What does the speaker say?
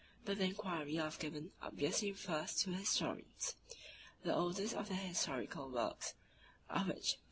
But the inquiry of Gibbon obviously refers to historians. The oldest of their historical works, of which V.